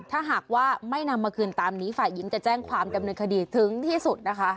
ถ้าหากว่าไม่นำมาคืนตามนี้ฝ่ายหญิงจะแจ้งความดำเนินคดีถึงที่สุดนะคะ